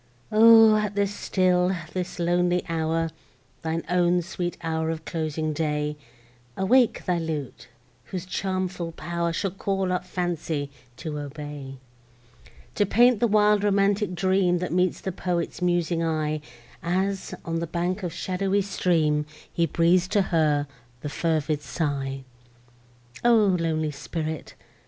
O! at this still, this lonely hour, Thine own sweet hour of closing day, Awake thy lute, whose charmful pow'r Shall call up Fancy to obey: To paint the wild romantic dream, That meets the poet's musing eye, As, on the bank of shadowy stream, He breathes to her the fervid sigh. O lonely spirit!